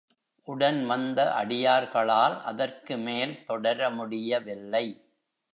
உடன் வந்த அடியார்களால் அதற்குமேல் தொடர முடியவில்லை.